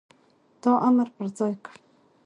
تا امر پر ځای کړ،